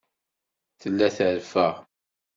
Tella terfa.